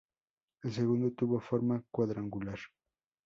El segundo tuvo forma cuadrangular.